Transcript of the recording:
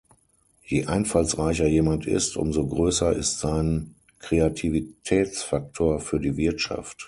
Je einfallsreicher jemand ist, umso größer ist sein Kreativitätsfaktor für die Wirtschaft.